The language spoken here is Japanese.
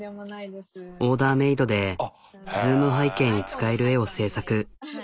オーダーメードでＺｏｏｍ背景に使える絵を制作。